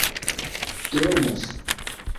dormos